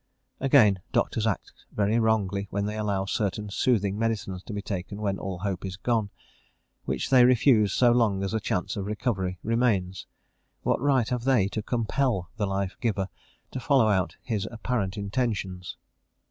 Again, doctors act very wrongly when they allow certain soothing medicines to be taken when all hope is gone, which they refuse so long as a chance of recovery remains: what right have they to compel the life giver to follow out his apparent intentions?